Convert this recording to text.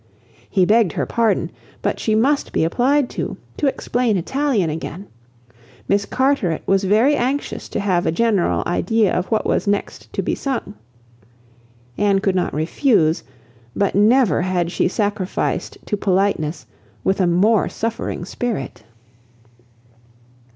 He begged her pardon, but she must be applied to, to explain Italian again. Miss Carteret was very anxious to have a general idea of what was next to be sung. Anne could not refuse; but never had she sacrificed to politeness with a more suffering spirit.